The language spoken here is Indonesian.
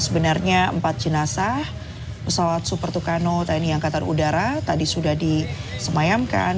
sebenarnya empat jenazah pesawat super tucano tni angkatan udara tadi sudah disemayamkan